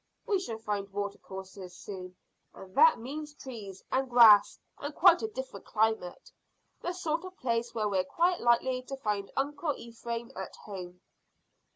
We shall find watercourses soon, and that means trees and grass and quite a different climate. The sort of place where we're quite likely to find Uncle Ephraim at home."